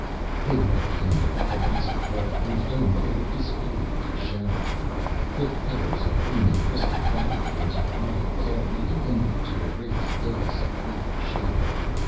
They were at the end of a colossal hall whose domed roof disappeared into shadows. Thick pillars of gleaming crystal divided it into aisles, all leading inward to a raised dais of oval shape.